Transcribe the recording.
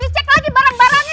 di cek lagi barang barangnya